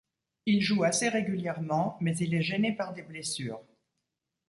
Il joue assez régulièrement mais il est gêné par des blessures.